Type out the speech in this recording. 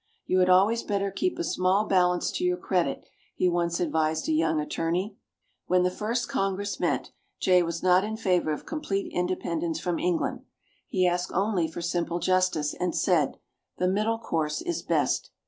"You had always better keep a small balance to your credit," he once advised a young attorney. When the first Congress met, Jay was not in favor of complete independence from England. He asked only for simple justice, and said, "The middle course is best."